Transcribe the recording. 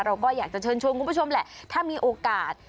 เรากจะช่วยโคลผู้ชมแหละถ้ามีโอกาส